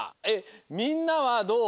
みんなはどう？